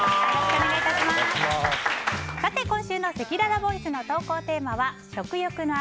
今週のせきららボイスの投稿テーマは食欲の秋！